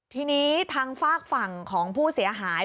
ทีนี้ทางฝากฝั่งของผู้เสียหาย